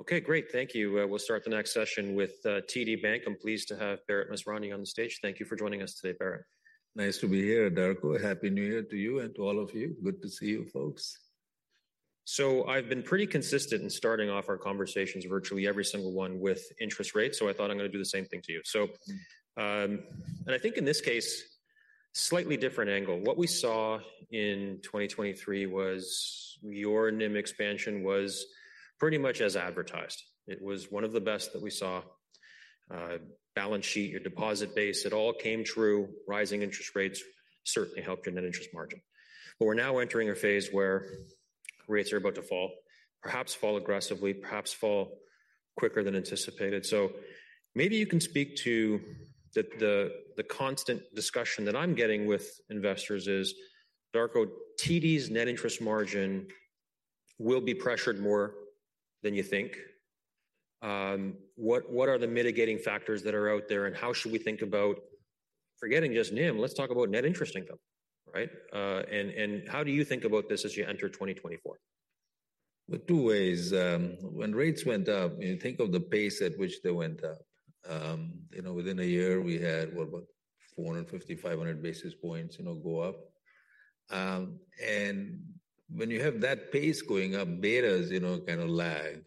Okay, great. Thank you. We'll start the next session with TD Bank. I'm pleased to have Bharat Masrani on the stage. Thank you for joining us today, Bharat. Nice to be here, Darko. Happy New Year to you and to all of you. Good to see you, folks. So I've been pretty consistent in starting off our conversations, virtually every single one, with interest rates, so I thought I'm gonna do the same thing to you. So, and I think in this case, slightly different angle. What we saw in 2023 was your NIM expansion was pretty much as advertised. It was one of the best that we saw. Balance sheet, your deposit base, it all came true. Rising interest rates certainly helped your net interest margin. But we're now entering a phase where rates are about to fall, perhaps fall aggressively, perhaps fall quicker than anticipated. So maybe you can speak to the constant discussion that I'm getting with investors is, "Darko, TD's net interest margin will be pressured more than you think." What are the mitigating factors that are out there, and how should we think about forgetting just NIM? Let's talk about net interest income, right? And how do you think about this as you enter 2024? Well, two ways. When rates went up, you think of the pace at which they went up. You know, within a year, we had, what, about 450-500 basis points, you know, go up. And when you have that pace going up, betas, you know, kinda lag.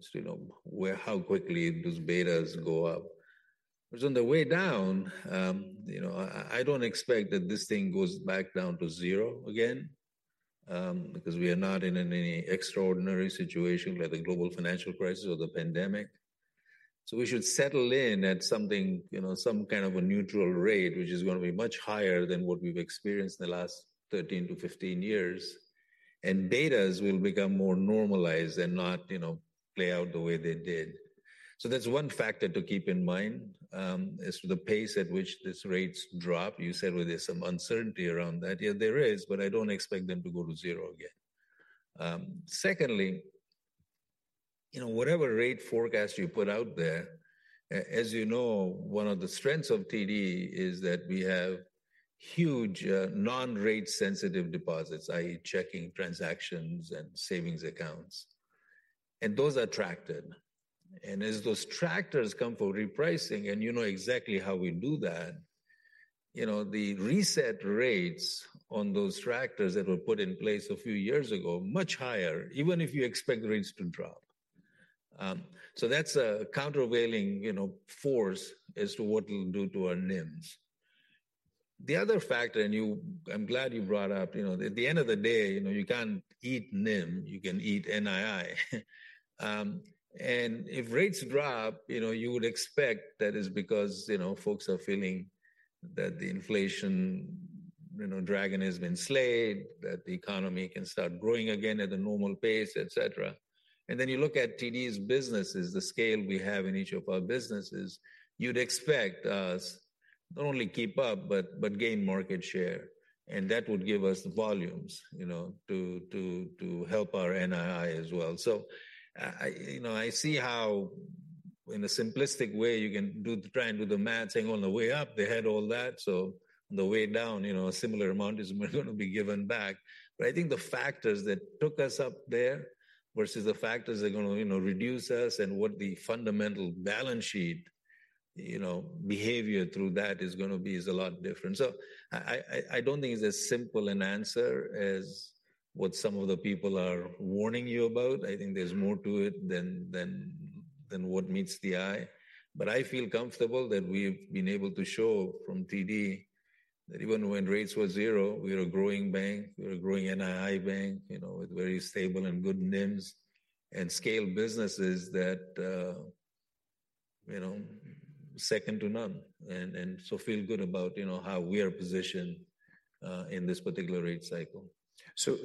So you know, where, how quickly those betas go up. But on the way down, you know, I, I don't expect that this thing goes back down to zero again, because we are not in any extraordinary situation like the global financial crisis or the pandemic. So we should settle in at something, you know, some kind of a neutral rate, which is gonna be much higher than what we've experienced in the last 13-15 years. And betas will become more normalized and not, you know, play out the way they did. So that's one factor to keep in mind, as to the pace at which these rates drop. You said where there's some uncertainty around that. Yeah, there is, but I don't expect them to go to zero again. Secondly, you know, whatever rate forecast you put out there, as you know, one of the strengths of TD is that we have huge, non-rate sensitive deposits, i.e., checking transactions and savings accounts, and those are tranches. And as those tranches come for repricing, and you know exactly how we do that, you know, the reset rates on those tranches that were put in place a few years ago, much higher, even if you expect the rates to drop. So that's a countervailing, you know, force as to what it'll do to our NIMs. The other factor, and you—I'm glad you brought up, you know, at the end of the day, you know, you can't eat NIM, you can eat NII. And if rates drop, you know, you would expect that is because, you know, folks are feeling that the inflation, you know, dragon has been slain, that the economy can start growing again at a normal pace, et cetera. And then you look at TD's businesses, the scale we have in each of our businesses, you'd expect us not only keep up, but gain market share, and that would give us the volumes, you know, to help our NII as well. So, you know, I see how, in a simplistic way, you can try and do the math, saying, "On the way up, they had all that, so on the way down, you know, a similar amount is gonna be given back." But I think the factors that took us up there versus the factors that are gonna, you know, reduce us and what the fundamental balance sheet, you know, behavior through that is gonna be a lot different. So I don't think it's as simple an answer as what some of the people are warning you about. I think there's more to it than what meets the eye. But I feel comfortable that we've been able to show from TD that even when rates were zero, we are a growing bank, we are a growing NII bank, you know, with very stable and good NIMs and scale businesses that, you know, second to none. And so feel good about, you know, how we are positioned in this particular rate cycle. So,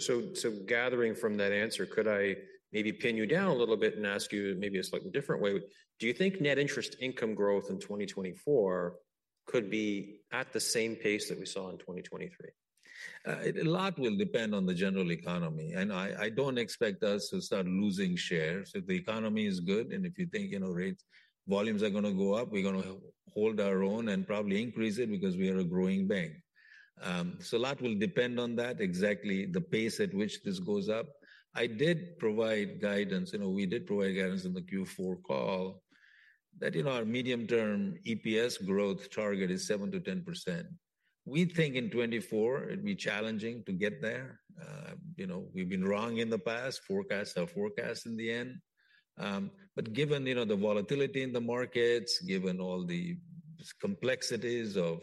gathering from that answer, could I maybe pin you down a little bit and ask you maybe a slightly different way? Do you think net interest income growth in 2024 could be at the same pace that we saw in 2023? A lot will depend on the general economy, and I don't expect us to start losing shares. If the economy is good and if you think, you know, rates, volumes are gonna go up, we're gonna hold our own and probably increase it because we are a growing bank. So a lot will depend on that, exactly the pace at which this goes up. I did provide guidance, you know, we did provide guidance in the Q4 call that, you know, our medium-term EPS growth target is 7%-10%. We think in 2024 it'd be challenging to get there. You know, we've been wrong in the past, forecasts are forecasts in the end. But given, you know, the volatility in the markets, given all the complexities of,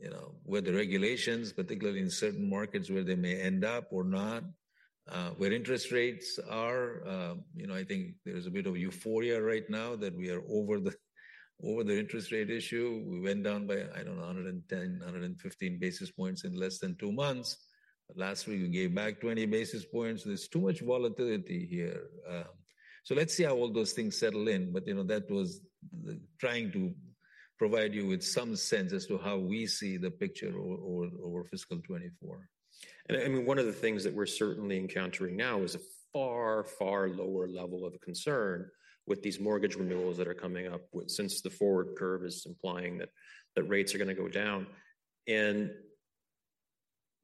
you know, where the regulations, particularly in certain markets, where they may end up or not, where interest rates are... You know, I think there is a bit of euphoria right now that we are over the interest rate issue. We went down by, I don't know, 110, 115 basis points in less than two months. Last week, we gave back 20 basis points. There's too much volatility here. So let's see how all those things settle in. But, you know, that was the... trying to provide you with some sense as to how we see the picture over fiscal 2024. I mean, one of the things that we're certainly encountering now is a far, far lower level of concern with these mortgage renewals that are coming up, since the forward curve is implying that rates are gonna go down.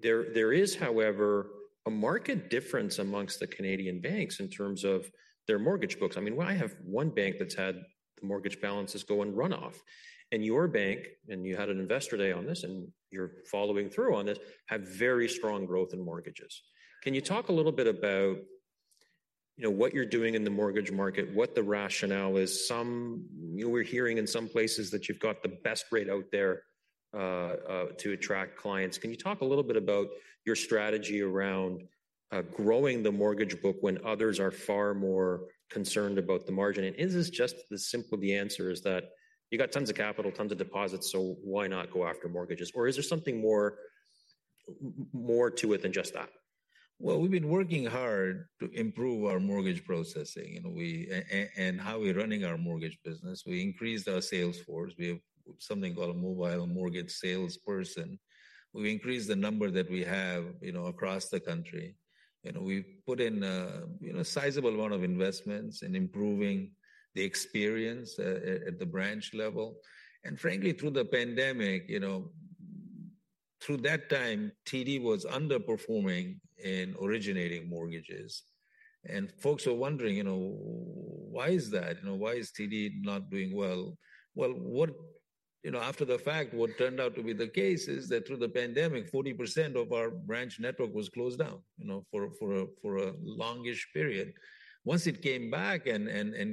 There is, however, a marked difference amongst the Canadian banks in terms of their mortgage books. I mean, well, I have one bank that's had the mortgage balances go and run off. And your bank, and you had an investor day on this, and you're following through on this, have very strong growth in mortgages. Can you talk a little bit about, you know, what you're doing in the mortgage market, what the rationale is? Some, we're hearing in some places that you've got the best rate out there to attract clients. Can you talk a little bit about your strategy around growing the mortgage book when others are far more concerned about the margin? And is this just the simple, the answer is that you got tons of capital, tons of deposits, so why not go after mortgages? Or is there something more, more to it than just that? Well, we've been working hard to improve our mortgage processing, and how we're running our mortgage business. We increased our sales force. We have something called a mobile mortgage salesperson. We increased the number that we have, you know, across the country, and we've put in, you know, a sizable amount of investments in improving the experience at the branch level. And frankly, through the pandemic, you know, through that time, TD was underperforming in originating mortgages. And folks are wondering, you know, why is that? You know, why is TD not doing well? Well, what you know, after the fact, what turned out to be the case is that through the pandemic, 40% of our branch network was closed down, you know, for a long-ish period. Once it came back and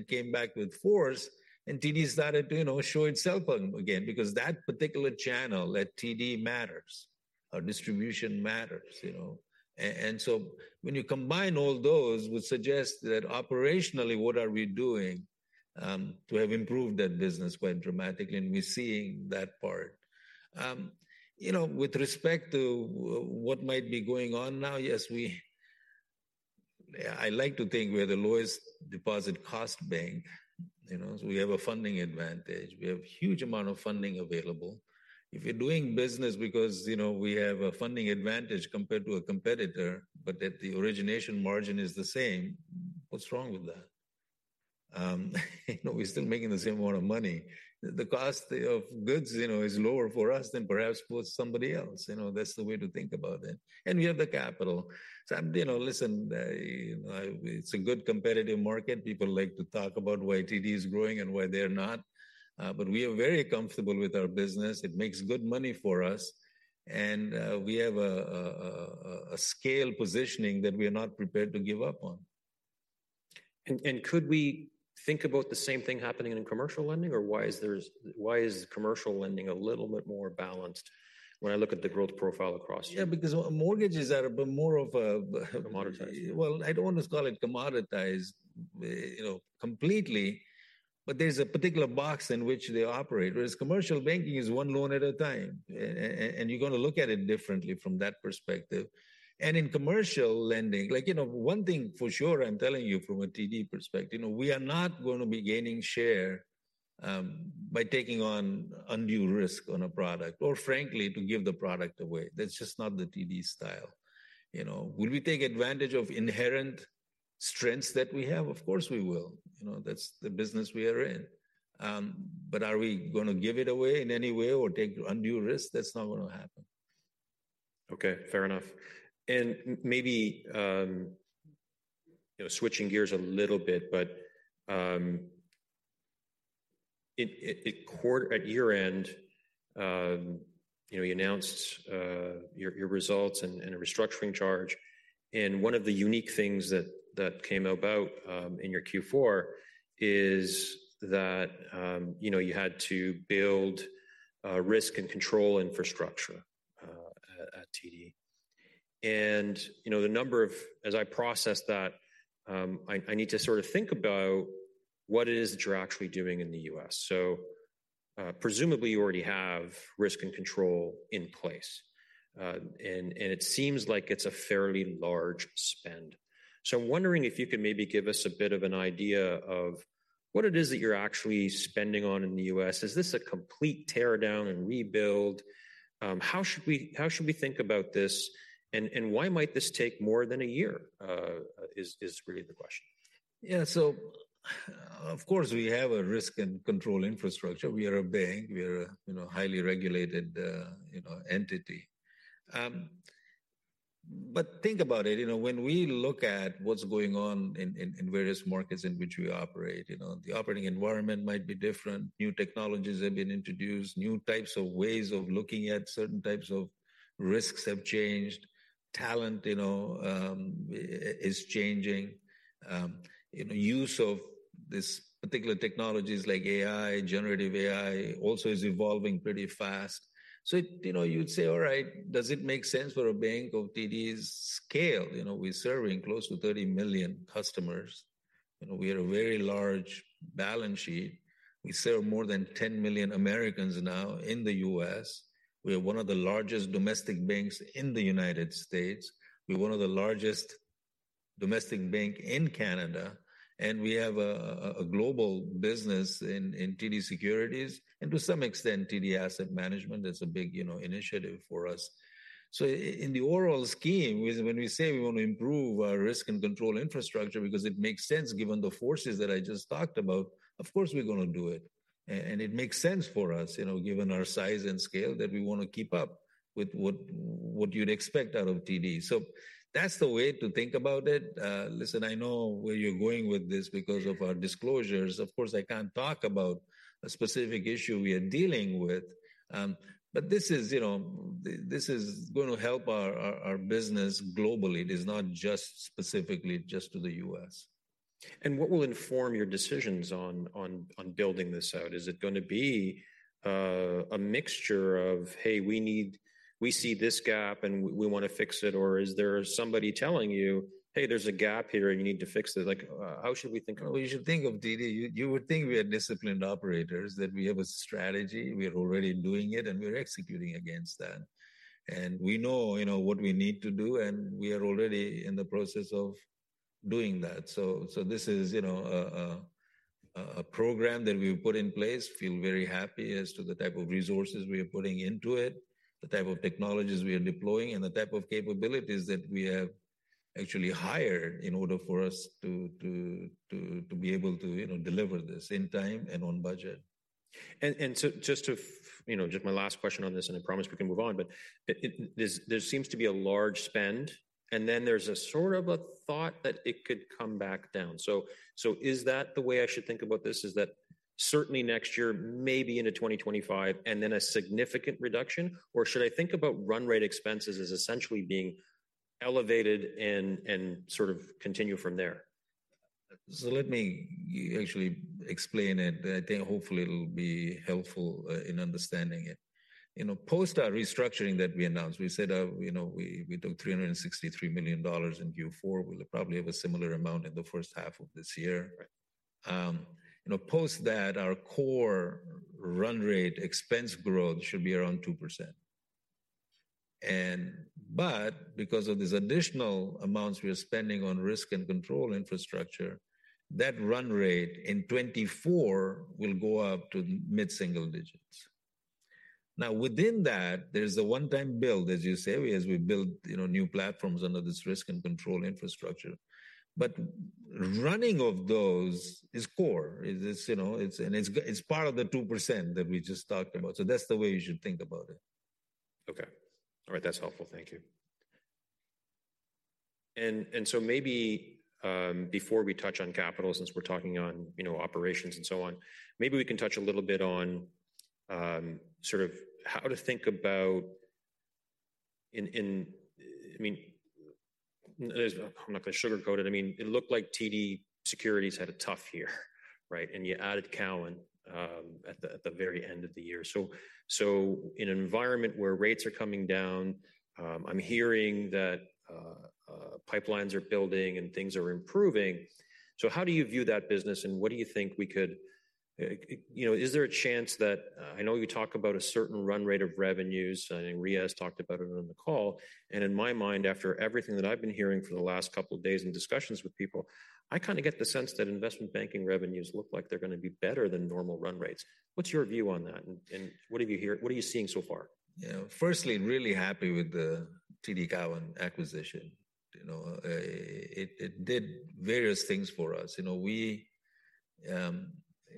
came back with force, and TD started to, you know, show itself on again, because that particular channel at TD matters. Our distribution matters, you know. And so when you combine all those, would suggest that operationally, what are we doing to have improved that business quite dramatically, and we're seeing that part. You know, with respect to what might be going on now, yes, we... I like to think we are the lowest deposit cost bank. You know, so we have a funding advantage. We have huge amount of funding available. If you're doing business because, you know, we have a funding advantage compared to a competitor, but that the origination margin is the same, what's wrong with that? You know, we're still making the same amount of money. The cost of goods, you know, is lower for us than perhaps for somebody else. You know, that's the way to think about it, and we have the capital. So, you know, listen, it's a good competitive market. People like to talk about why TD is growing and why they're not, but we are very comfortable with our business. It makes good money for us, and we have a scale positioning that we are not prepared to give up on. Could we think about the same thing happening in commercial lending, or why is commercial lending a little bit more balanced when I look at the growth profile across you? Yeah, because mortgages are a bit more of a- Commoditized. Well, I don't want to call it commoditized, you know, completely, but there's a particular box in which they operate, whereas commercial banking is one loan at a time, and you're gonna look at it differently from that perspective. And in commercial lending, like, you know, one thing for sure, I'm telling you from a TD perspective, you know, we are not gonna be gaining share, by taking on undue risk on a product or frankly, to give the product away. That's just not the TD style, you know. Will we take advantage of inherent strengths that we have? Of course, we will. You know, that's the business we are in. But are we gonna give it away in any way or take undue risk? That's not gonna happen. Okay, fair enough. And maybe, you know, switching gears a little bit, but at year-end, you know, you announced your results and a restructuring charge. And one of the unique things that came about in your Q4 is that, you know, you had to build risk and control infrastructure at TD. As I process that, I need to sort of think about what it is that you're actually doing in the U.S. So, presumably, you already have risk and control in place, and it seems like it's a fairly large spend. So I'm wondering if you could maybe give us a bit of an idea of what it is that you're actually spending on in the U.S. Is this a complete tear down and rebuild? How should we think about this, and why might this take more than a year? Is really the question. Yeah, so of course, we have a risk and control infrastructure. We are a bank. We are a, you know, highly regulated, you know, entity. But think about it, you know, when we look at what's going on in various markets in which we operate, you know, the operating environment might be different. New technologies have been introduced. New types of ways of looking at certain types of risks have changed. Talent, you know, is changing. You know, use of these particular technologies, like AI, generative AI, also is evolving pretty fast. So, you know, you'd say: All right, does it make sense for a bank of TD's scale? You know, we're serving close to 30 million customers. You know, we are a very large balance sheet. We serve more than 10 million Americans now in the U.S. We are one of the largest domestic banks in the United States. We're one of the largest domestic bank in Canada, and we have a global business in TD Securities and to some extent, TD Asset Management. That's a big, you know, initiative for us. So in the overall scheme, when we say we want to improve our risk and control infrastructure because it makes sense given the forces that I just talked about, of course, we're gonna do it. And it makes sense for us, you know, given our size and scale, that we want to keep up with what you'd expect out of TD. So that's the way to think about it. Listen, I know where you're going with this because of our disclosures. Of course, I can't talk about a specific issue we are dealing with, but this is, you know, going to help our business globally. It is not just specifically just to the U.S. What will inform your decisions on building this out? Is it gonna be a mixture of, "Hey, we need—we see this gap, and we want to fix it," or is there somebody telling you, "Hey, there's a gap here, and you need to fix it?" Like, how should we think about it? Well, you should think of TD, you would think we are disciplined operators, that we have a strategy, we are already doing it, and we're executing against that. And we know, you know, what we need to do, and we are already in the process of doing that. So this is, you know, a program that we've put in place, feel very happy as to the type of resources we are putting into it, the type of technologies we are deploying, and the type of capabilities that we have actually hired in order for us to be able to, you know, deliver this in time and on budget. So just to, you know, just my last question on this, and I promise we can move on, but there's a large spend, and then there's sort of a thought that it could come back down. So is that the way I should think about this, is that certainly next year, maybe into 2025, and then a significant reduction? Or should I think about run rate expenses as essentially being elevated and sort of continue from there? Let me actually explain it. I think hopefully it'll be helpful in understanding it. You know, post our restructuring that we announced, we said, you know, we took 363 million dollars in Q4. We'll probably have a similar amount in the first half of this year. Right. You know, post that, our core run rate expense growth should be around 2%. And, but because of these additional amounts we are spending on risk and control infrastructure, that run rate in 2024 will go up to mid-single digits. Now, within that, there's a one-time build, as you say, as we build, you know, new platforms under this risk and control infrastructure. But running of those is core. It's, it's, you know, it's part of the 2% that we just talked about. So that's the way you should think about it. Okay. All right, that's helpful. Thank you. And so maybe, before we touch on capital, since we're talking on, you know, operations and so on, maybe we can touch a little bit on, sort of how to think about in... I mean, there's, I'm not going to sugarcoat it. I mean, it looked like TD Securities had a tough year, right? And you added Cowen, at the very end of the year. So in an environment where rates are coming down, I'm hearing that pipelines are building and things are improving. So how do you view that business, and what do you think we could, you know, is there a chance that... I know you talk about a certain run rate of revenues, and Riaz talked about it on the call. In my mind, after everything that I've been hearing for the last couple of days in discussions with people, I kind of get the sense that investment banking revenues look like they're gonna be better than normal run rates. What's your view on that, and what are you seeing so far? Yeah. Firstly, really happy with the TD Cowen acquisition. You know, it did various things for us. You know, we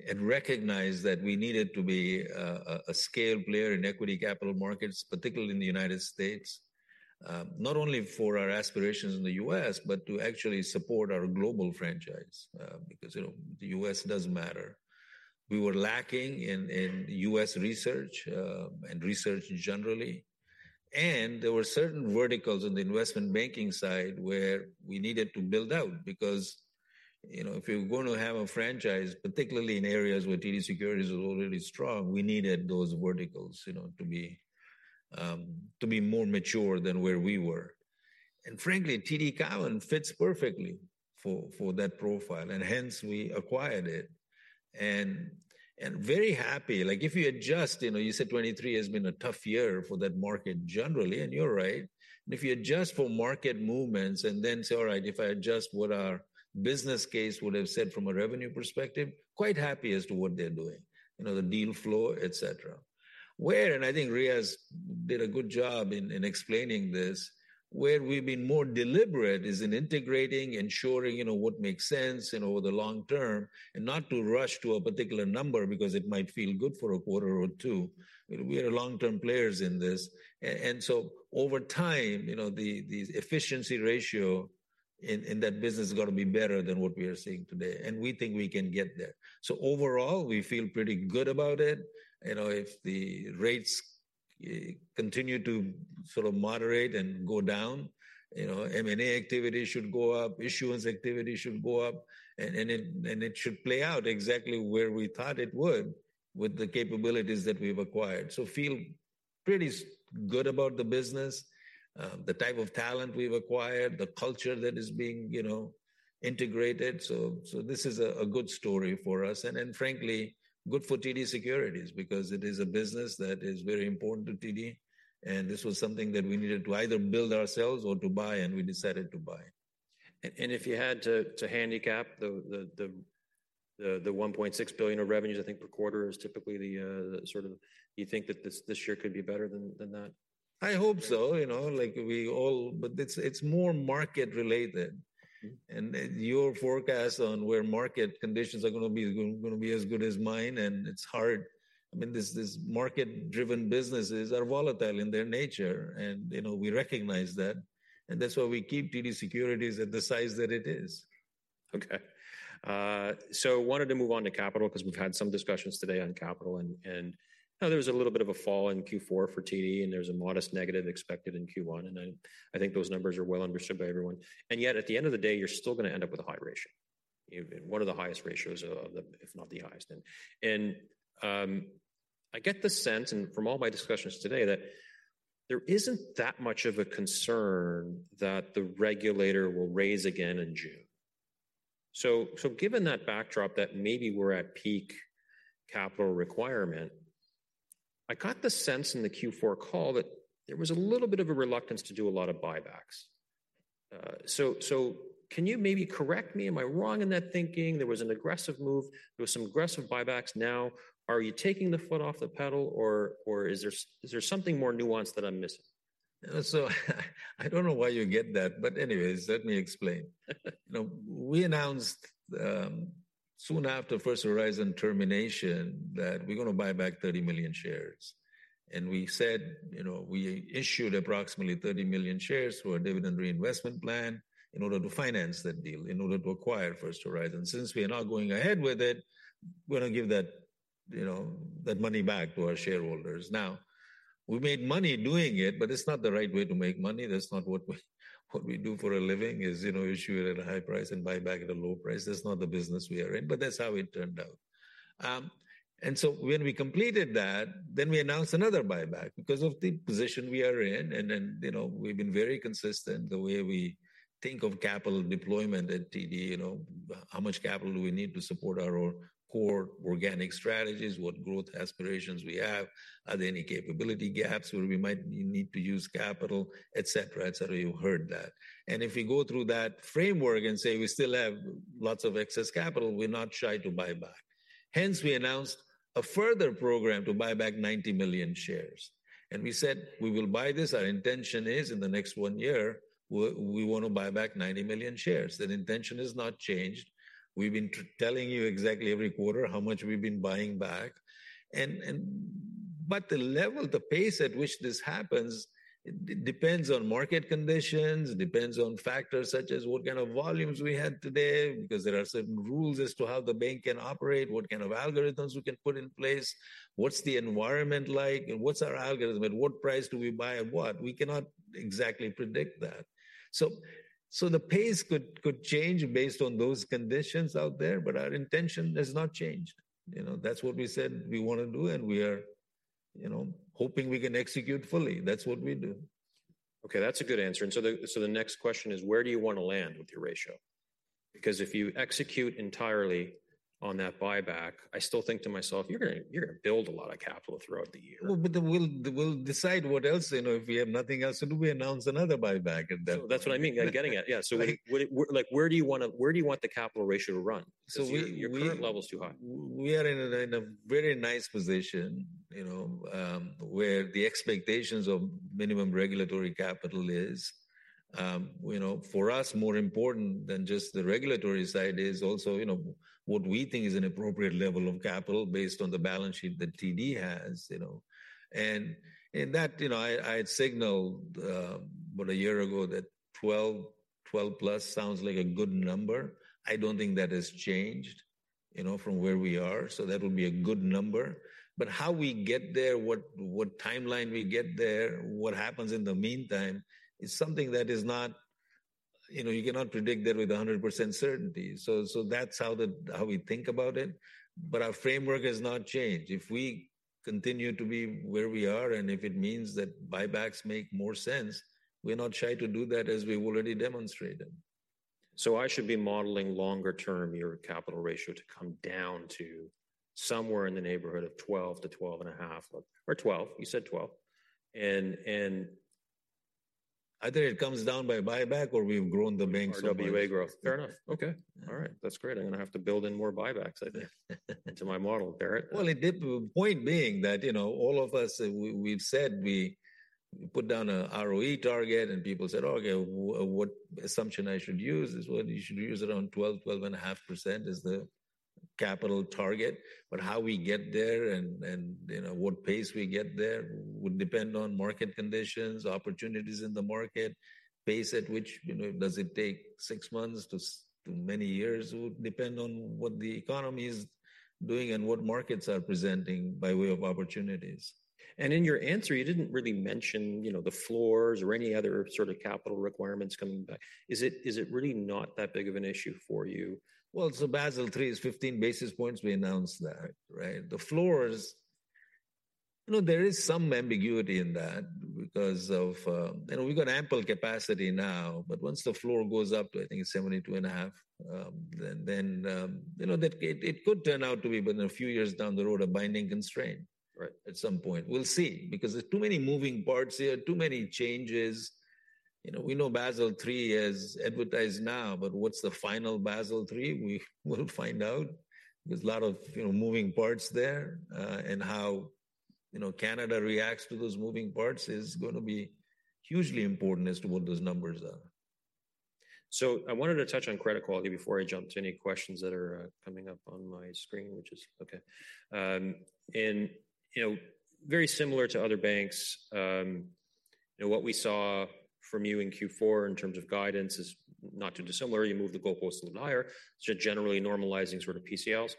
had recognized that we needed to be a scale player in equity capital markets, particularly in the United States. Not only for our aspirations in the U.S., but to actually support our global franchise, because, you know, the U.S. does matter. We were lacking in U.S. research, and research generally, and there were certain verticals in the investment banking side where we needed to build out. Because, you know, if you're going to have a franchise, particularly in areas where TD Securities is already strong, we needed those verticals, you know, to be more mature than where we were. And frankly, TD Cowen fits perfectly for that profile, and hence, we acquired it. And very happy. Like, if you adjust, you know, you said 2023 has been a tough year for that market generally, and you're right. If you adjust for market movements and then say, "All right, if I adjust what our business case would have said from a revenue perspective," quite happy as to what they're doing, you know, the deal flow, et cetera. Where, I think Riaz did a good job in, in explaining this, where we've been more deliberate is in integrating, ensuring, you know, what makes sense, you know, over the long term, and not to rush to a particular number because it might feel good for a quarter or two. We are long-term players in this. And so over time, you know, the, the efficiency ratio in, in that business is gonna be better than what we are seeing today, and we think we can get there. So overall, we feel pretty good about it. You know, if the rates continue to sort of moderate and go down, you know, M&A activity should go up, issuance activity should go up, and it should play out exactly where we thought it would with the capabilities that we've acquired. So feel pretty good about the business, the type of talent we've acquired, the culture that is being, you know, integrated. So this is a good story for us and frankly, good for TD Securities, because it is a business that is very important to TD, and this was something that we needed to either build ourselves or to buy, and we decided to buy it. If you had to handicap the 1.6 billion of revenues, I think per quarter is typically the sort of, you think that this year could be better than that? I hope so, you know, like we all—but it's, it's more market related. And then your forecast on where market conditions are gonna be as good as mine, and it's hard. I mean, these market-driven businesses are volatile in their nature, and, you know, we recognize that, and that's why we keep TD Securities at the size that it is. Okay. So wanted to move on to capital, 'cause we've had some discussions today on capital, and there was a little bit of a fall in Q4 for TD, and there was a modest negative expected in Q1, and I think those numbers are well understood by everyone. And yet, at the end of the day, you're still gonna end up with a high ratio, even one of the highest ratios of the... if not the highest. And I get the sense, and from all my discussions today, that there isn't that much of a concern that the regulator will raise again in June. So given that backdrop that maybe we're at peak capital requirement, I got the sense in the Q4 call that there was a little bit of a reluctance to do a lot of buybacks. So, so can you maybe correct me? Am I wrong in that thinking? There was an aggressive move. There was some aggressive buybacks. Now, are you taking the foot off the pedal, or, or is there something more nuanced that I'm missing? So, I don't know why you get that, but anyways, let me explain. You know, we announced, soon after First Horizon termination, that we're gonna buy back 30 million shares. And we said, you know, we issued approximately 30 million shares for a dividend reinvestment plan in order to finance that deal, in order to acquire First Horizon. Since we are not going ahead with it, we're gonna give that, you know, that money back to our shareholders. Now, we made money doing it, but it's not the right way to make money. That's not what we, what we do for a living, is, you know, issue it at a high price and buy back at a low price. That's not the business we are in, but that's how it turned out. And so when we completed that, then we announced another buyback because of the position we are in, and then, you know, we've been very consistent the way we think of capital deployment at TD. You know, how much capital do we need to support our core organic strategies? What growth aspirations we have? Are there any capability gaps where we might need to use capital, et cetera, et cetera? You heard that. And if we go through that framework and say, we still have lots of excess capital, we're not shy to buy back. Hence, we announced a further program to buy back 90 million shares. And we said, "We will buy this. Our intention is, in the next 1 year, we want to buy back 90 million shares." That intention has not changed. We've been telling you exactly every quarter how much we've been buying back. But the level, the pace at which this happens, depends on market conditions, depends on factors such as what kind of volumes we had today, because there are certain rules as to how the bank can operate, what kind of algorithms we can put in place, what's the environment like, and what's our algorithm, and what price do we buy and what? We cannot exactly predict that. So the pace could change based on those conditions out there, but our intention has not changed. You know, that's what we said we wanna do, and we are, you know, hoping we can execute fully. That's what we do. Okay, that's a good answer. And so the next question is: where do you wanna land with your ratio? Because if you execute entirely on that buyback, I still think to myself, "You're gonna build a lot of capital throughout the year. Well, but then we'll, we'll decide what else. You know, if we have nothing else to do, we announce another buyback, and then- So that's what I mean. I'm getting at it. Right. Yeah, so like, where do you wanna... where do you want the capital ratio to run? So we, Your current level is too high. We are in a very nice position, you know, where the expectations of minimum regulatory capital is. You know, for us, more important than just the regulatory side is also, you know, what we think is an appropriate level of capital based on the balance sheet that TD has, you know? And in that, you know, I had signaled about a year ago that 12, 12 plus sounds like a good number. I don't think that has changed, you know, from where we are, so that would be a good number. But how we get there, what timeline we get there, what happens in the meantime, is something that is not... You know, you cannot predict that with 100% certainty. So that's how we think about it, but our framework has not changed. If we continue to be where we are, and if it means that buybacks make more sense, we're not shy to do that, as we already demonstrated. So I should be modeling longer term, your capital ratio, to come down to somewhere in the neighborhood of 12-12.5, or 12. You said 12. Either it comes down by buyback or we've grown the bank somewhere. RWA growth. Fair enough. Okay. Yeah. All right, that's great. I'm gonna have to build in more buybacks, I think, to my model, Bharat. Well, it did... The point being that, you know, all of us, we, we've said we put down a ROE target, and people said, "Okay, what assumption I should use?" Well, you should use around 12, 12.5% is the capital target. But how we get there, and, and, you know, what pace we get there, would depend on market conditions, opportunities in the market, pace at which, you know, does it take six months to many years, would depend on what the economy is doing and what markets are presenting by way of opportunities. In your answer, you didn't really mention, you know, the floors or any other sort of capital requirements coming back. Is it, is it really not that big of an issue for you? Well, so Basel III is 15 basis points. We announced that, right? The floors, you know, there is some ambiguity in that because of... You know, we've got ample capacity now, but once the floor goes up to, I think, 72.5, then, you know, that it could turn out to be, but in a few years down the road, a binding constraint- Right... at some point. We'll see, because there are too many moving parts here, too many changes.... You know, we know Basel III is advertised now, but what's the final Basel III? We will find out. There's a lot of, you know, moving parts there, and how, you know, Canada reacts to those moving parts is gonna be hugely important as to what those numbers are. So I wanted to touch on credit quality before I jump to any questions that are coming up on my screen, which is okay. You know, very similar to other banks, you know, what we saw from you in Q4 in terms of guidance is not too dissimilar. You moved the goalposts a little higher, so generally normalizing sort of PCLs.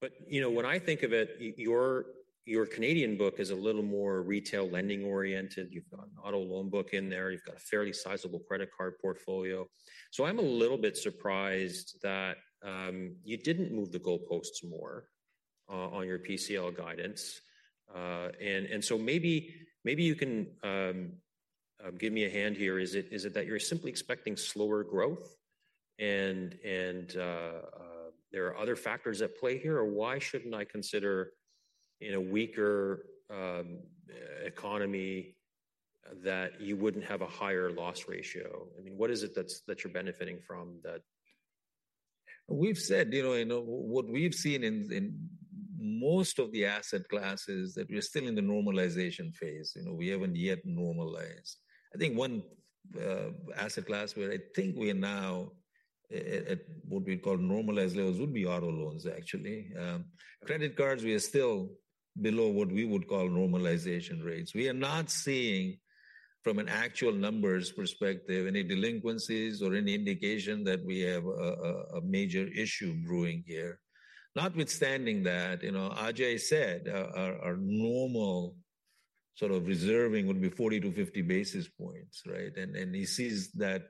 But, you know, when I think of it, your Canadian book is a little more retail lending-oriented. You've got an auto loan book in there. You've got a fairly sizable credit card portfolio. So I'm a little bit surprised that you didn't move the goalposts more on your PCL guidance. And so maybe you can give me a hand here. Is it that you're simply expecting slower growth, and there are other factors at play here? Or why shouldn't I consider in a weaker economy that you wouldn't have a higher loss ratio? I mean, what is it that you're benefiting from that? We've said, you know, what we've seen in most of the asset classes, that we're still in the normalization phase, you know. We haven't yet normalized. I think one asset class where I think we are now at what we call normalized levels would be auto loans, actually. Credit cards, we are still below what we would call normalization rates. We are not seeing, from an actual numbers perspective, any delinquencies or any indication that we have a major issue brewing here. Notwithstanding that, you know, Ajai said our normal sort of reserving would be 40-50 basis points, right? And he sees that,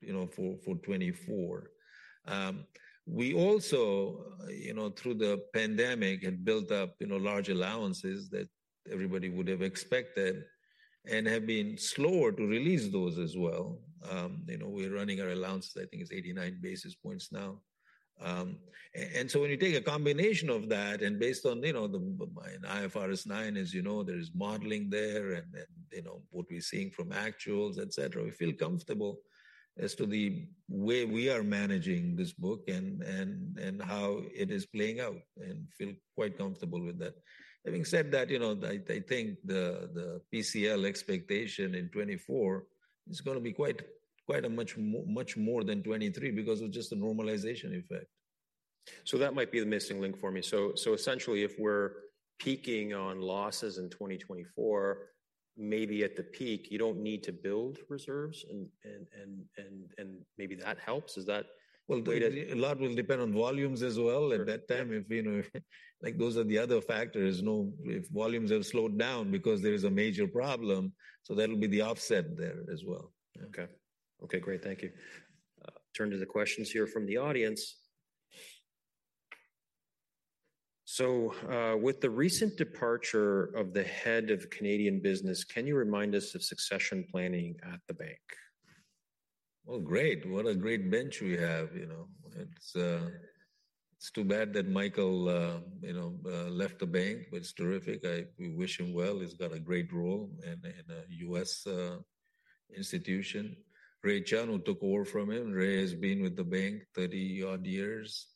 you know, for 2024. We also, you know, through the pandemic, had built up, you know, large allowances that everybody would have expected and have been slower to release those as well. You know, we're running our allowance. I think it's 89 basis points now. And so when you take a combination of that and based on, you know, the IFRS 9, as you know, there is modeling there, and then, you know, what we're seeing from actuals, et cetera, we feel comfortable as to the way we are managing this book and how it is playing out and feel quite comfortable with that. Having said that, you know, I think the PCL expectation in 2024 is gonna be quite a much more than 2023 because of just the normalization effect. So that might be the missing link for me. So, essentially, if we're peaking on losses in 2024, maybe at the peak, you don't need to build reserves, and maybe that helps? Is that- Well, a lot will depend on volumes as well at that time. If, you know, like, those are the other factors. You know, if volumes have slowed down because there is a major problem, so that'll be the offset there as well. Okay. Okay, great. Thank you. Turn to the questions here from the audience. So, with the recent departure of the head of Canadian business, can you remind us of succession planning at the bank? Well, great! What a great bench we have, you know? It's too bad that Michael, you know, left the bank, but it's terrific. We wish him well. He's got a great role in a U.S. institution. Raymond Chun, who took over from him, Raymond Chun has been with the bank 30-odd years.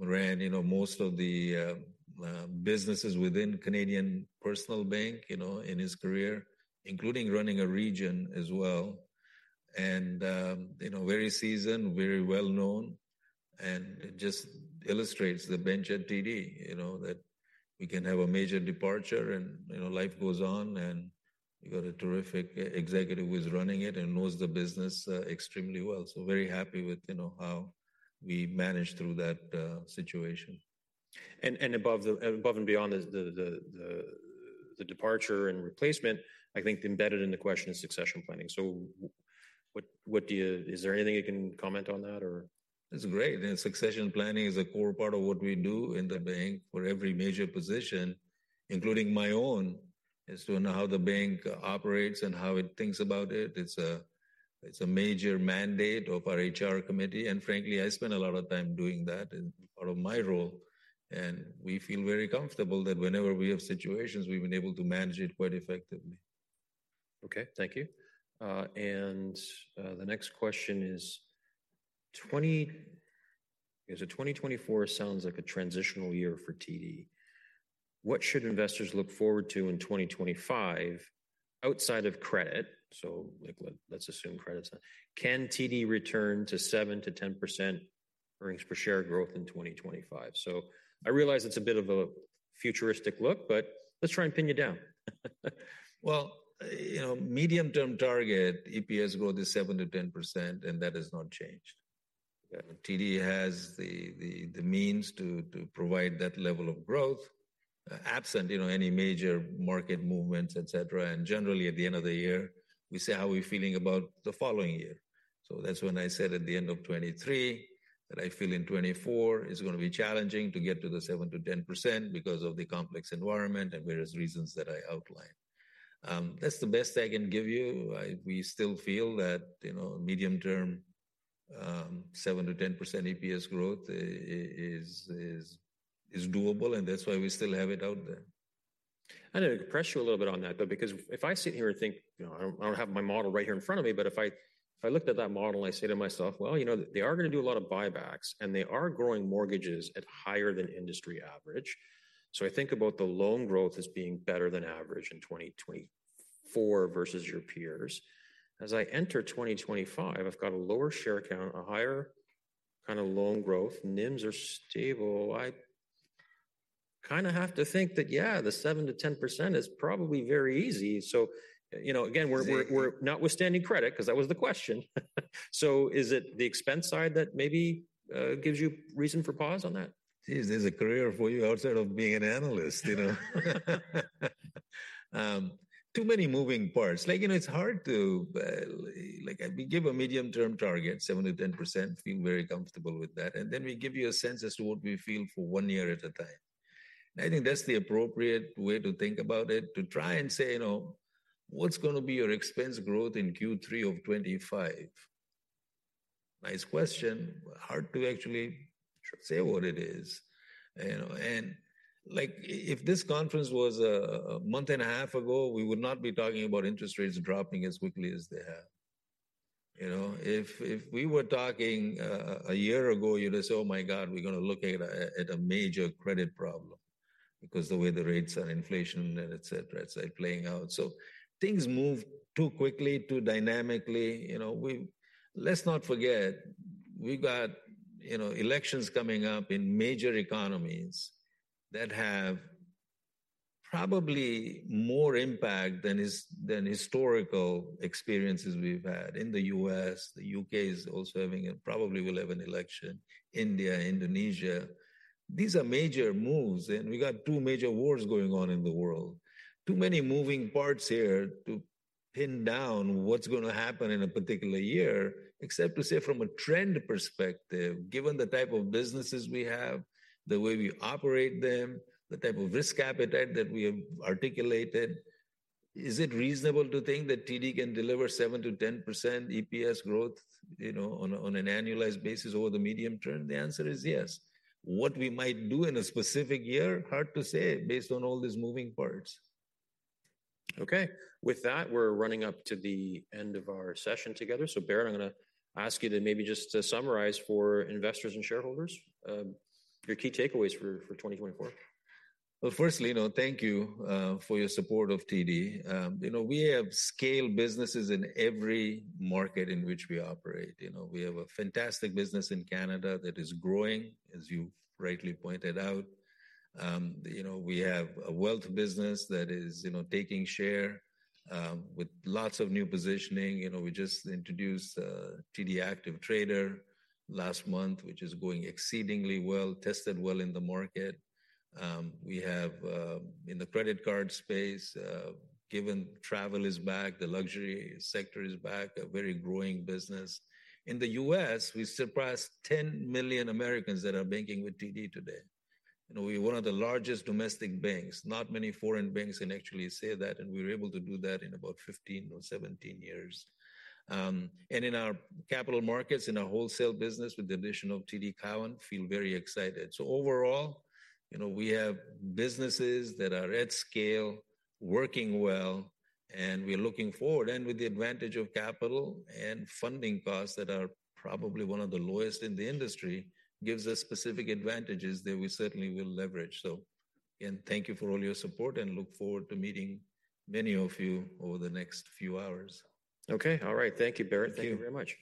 Ran, you know, most of the businesses within Canadian Personal Banking, you know, in his career, including running a region as well, and, you know, very seasoned, very well-known, and it just illustrates the bench at TD. You know, that we can have a major departure, and, you know, life goes on, and you got a terrific executive who is running it and knows the business extremely well. So very happy with, you know, how we managed through that situation. And above and beyond the departure and replacement, I think embedded in the question is succession planning. So what do you... Is there anything you can comment on that, or? It's great, and succession planning is a core part of what we do in the bank for every major position, including my own, as to know how the bank operates and how it thinks about it. It's a, it's a major mandate of our HR committee, and frankly, I spend a lot of time doing that in part of my role, and we feel very comfortable that whenever we have situations, we've been able to manage it quite effectively. Okay, thank you. The next question is: "So 2024 sounds like a transitional year for TD. What should investors look forward to in 2025 outside of credit?" So, like, let's assume credit's not. "Can TD return to 7%-10% earnings per share growth in 2025?" So I realize it's a bit of a futuristic look, but let's try and pin you down. Well, you know, medium-term target EPS growth is 7%-10%, and that has not changed. Yeah. TD has the means to provide that level of growth, absent, you know, any major market movements, et cetera. Generally, at the end of the year, we say how we're feeling about the following year. So that's when I said at the end of 2023, that I feel in 2024, it's gonna be challenging to get to the 7%-10% because of the complex environment and various reasons that I outlined. That's the best I can give you. We still feel that, you know, medium-term 7%-10% EPS growth is doable, and that's why we still have it out there. I'm gonna press you a little bit on that, though, because if I sit here and think, you know, I don't, I don't have my model right here in front of me, but if I, if I looked at that model and I say to myself, "Well, you know, they are gonna do a lot of buybacks, and they are growing mortgages at higher than industry average." So I think about the loan growth as being better than average in 2024 versus your peers. As I enter 2025, I've got a lower share count, a higher kind of loan growth. NIMs are stable. I kind of have to think that, yeah, the 7%-10% is probably very easy. So, you know, again, we're- The- We're notwithstanding credit, 'cause that was the question. So is it the expense side that maybe gives you reason for pause on that? Geez, there's a career for you outside of being an analyst, you know? Too many moving parts. Like, you know, it's hard to, like, we give a medium-term target, 7%-10%, feel very comfortable with that, and then we give you a sense as to what we feel for one year at a time. And I think that's the appropriate way to think about it. To try and say, you know, "What's gonna be your expense growth in Q3 of 2025?" Nice question, hard to actually say what it is, you know. And, like, if this conference was a month and a half ago, we would not be talking about interest rates dropping as quickly as they have. You know, if we were talking a year ago, you'd have said, "Oh, my God, we're gonna look at a major credit problem," because the way the rates are, inflation, et cetera, et cetera, playing out. So things move too quickly, too dynamically, you know, we, let's not forget, we've got, you know, elections coming up in major economies that have probably more impact than historical experiences we've had. In the U.S., the U.K. is also having and probably will have an election, India, Indonesia. These are major moves, and we've got two major wars going on in the world. Too many moving parts here to pin down what's gonna happen in a particular year, except to say from a trend perspective, given the type of businesses we have, the way we operate them, the type of risk appetite that we have articulated, is it reasonable to think that TD can deliver 7%-10% EPS growth, you know, on a, on an annualized basis over the medium term? The answer is yes. What we might do in a specific year, hard to say based on all these moving parts. Okay. With that, we're running up to the end of our session together. So Bharat, I'm gonna ask you to maybe just to summarize for investors and shareholders, your key takeaways for 2024. Well, firstly, you know, thank you for your support of TD. You know, we have scale businesses in every market in which we operate. You know, we have a fantastic business in Canada that is growing, as you've rightly pointed out. You know, we have a wealth business that is, you know, taking share, with lots of new positioning. You know, we just introduced TD Active Trader last month, which is going exceedingly well, tested well in the market. We have... In the credit card space, given travel is back, the luxury sector is back, a very growing business. In the U.S., we surpassed 10 million Americans that are banking with TD today, and we're one of the largest domestic banks. Not many foreign banks can actually say that, and we were able to do that in about 15 or 17 years. And in our capital markets, in our wholesale business, with the addition of TD Cowen, feel very excited. So overall, you know, we have businesses that are at scale, working well, and we're looking forward. And with the advantage of capital and funding costs that are probably one of the lowest in the industry, gives us specific advantages that we certainly will leverage. So, and thank you for all your support and look forward to meeting many of you over the next few hours. Okay. All right. Thank you, Bharat. Thank you. Thank you very much.